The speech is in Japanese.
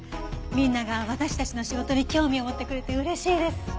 みんなが私たちの仕事に興味を持ってくれて嬉しいです。